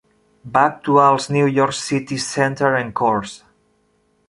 Va actuar als New York City Center Encores!